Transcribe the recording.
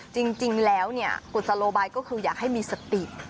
จริงแล้วกุศโลบายก็คืออยากให้มีสติ